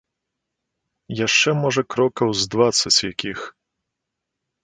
Яшчэ, можа, крокаў з дваццаць якіх.